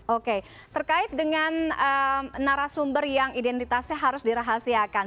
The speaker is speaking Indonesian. oke terkait dengan narasumber yang identitasnya harus dirahasiakan